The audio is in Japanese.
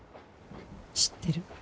知ってる。